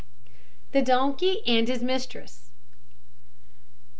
THE DONKEY AND HIS MISTRESS.